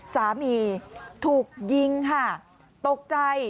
สามีถูกยิงค่ะตกใจ